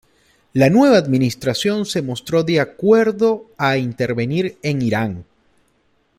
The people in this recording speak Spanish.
La nueva administración se mostró de acuerdo a intervenir en Irán.